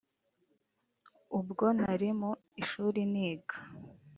Ubwo nari mu ishuri niga